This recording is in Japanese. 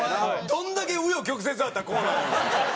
どんだけ紆余曲折あったらこうなんのよ？